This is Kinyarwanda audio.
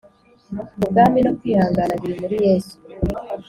ubwami no kwihangana biri muri yesu